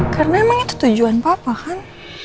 karena emang itu tujuan papa kan